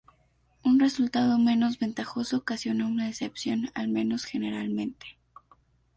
Un resultado menos ventajoso ocasiona una decepción, al menos generalmente.